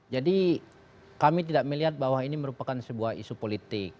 jadi kami tidak melihat bahwa ini merupakan sebuah isu politik